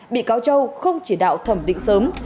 bị cáo châu không chỉ đạo thẩm định sớm